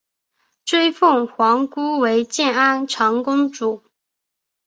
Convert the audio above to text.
追封皇姑为建安长公主。